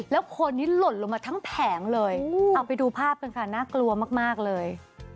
แล้วคนนี้หล่นลงมาทั้งแผงเลยเอาไปดูภาพกันค่ะน่ากลัวมากเลย